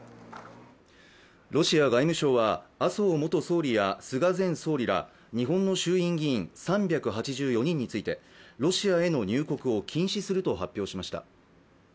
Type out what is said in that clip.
ロシア外務省は麻生元総理や菅前総理ら日本の衆院議員３８４人についてロシアへの入国を禁止すると発表しました。